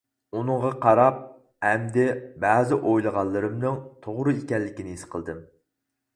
ئۇنىڭغا قاراپ ئەمدى بەزى ئويلىغانلىرىمنىڭ توغرا ئىكەنلىكىنى ھېس قىلدىم.